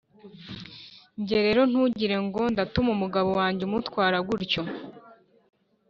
njye rero ntugirengo ndatuma umugabo wanjye umutwara gutyo.